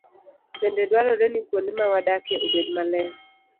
Bende dwarore ni kuonde ma wadakie obed maler.